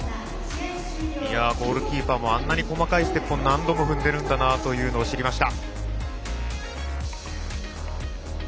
ゴールキーパーもあんなに細かいステップを何度も踏んでいるんだなというのを知りました。